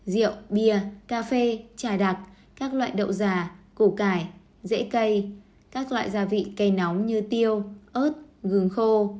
rượu bia cà phê trà đặc các loại đậu già củ cải rễ cây các loại gia vị cây nóng như tiêu ớt gừng khô